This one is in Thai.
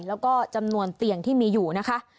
แล้วก็จำนวนเตียงที่มีอยู่นะคะ